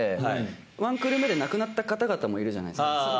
１クール目で亡くなった方々もいるじゃないですか。